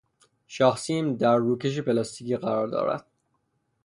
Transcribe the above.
شاهسیم در روکش پلاستیکی قرار دارد.